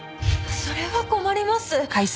それは困ります。